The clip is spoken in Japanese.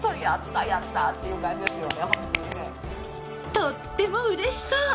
とってもうれしそう。